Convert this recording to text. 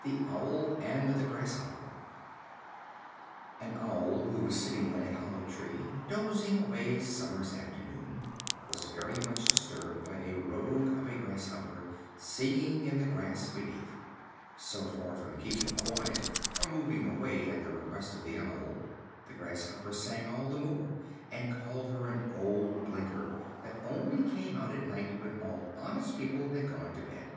The Owl and the Grasshopper. An Owl who was sitting in a hollow tree, dozing away a summer's afternoon, was very much disturbed by a rogue of a Grasshopper singing in the grass beneath. So far from keeping quiet, or moving away at the request of the Owl, the Grasshopper sang all the more, and called her an old blinker, that only came out at night when all honest people had gone to bed.